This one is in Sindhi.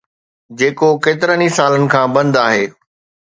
جيڪو ڪيترن ئي سالن کان بند آهي